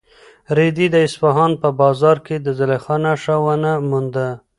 رېدي د اصفهان په بازار کې د زلیخا نښه ونه مونده.